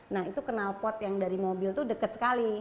nah itu kenal pot yang dari mobil itu dekat sekali